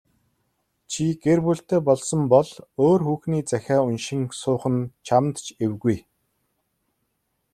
Чи гэр бүлтэй болсон бол өөр хүүхний захиа уншин суух нь чамд ч эвгүй.